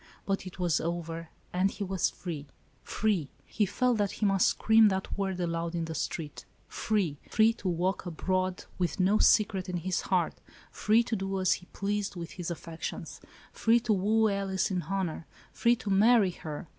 But it was over, and he was free. Free ! He felt that he must scream the word aloud, in the street. Free ! Free to walk abroad, with no. secret in his heart; free to do as he pleased with his affections; free to woo Alice in honor; free to marry her